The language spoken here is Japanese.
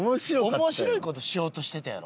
面白い事しようとしてたやろ。